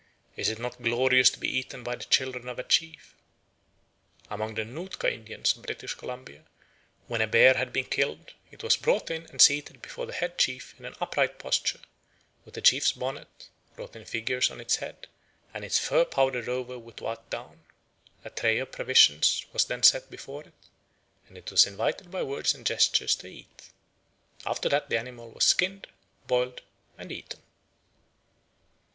Is it not glorious to be eaten by the children of a chief?" Amongst the Nootka Indians of British Columbia, when a bear had been killed, it was brought in and seated before the head chief in an upright posture, with a chief's bonnet, wrought in figures, on its head, and its fur powdered over with white down. A tray of provisions was then set before it, and it was invited by words and gestures to eat. After that the animal was skinned, boiled, and eaten.